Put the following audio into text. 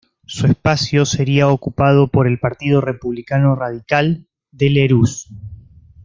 Su espacio sería ocupado por el Partido Republicano Radical de Lerroux.